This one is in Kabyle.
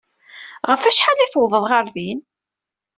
Ɣef wacḥal ay tuwḍeḍ ɣer din?